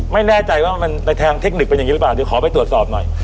ไม่แน่ใจว่าในทางเทคนิคเป็นอย่างนี้หรือเปล่าเดี๋ยวขอไปตรวจสอบหน่อย